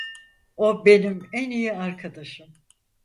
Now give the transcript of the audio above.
O benim en iyi arkadaşım.